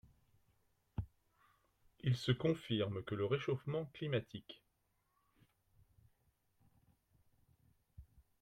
Il se confirme que le réchauffement climatique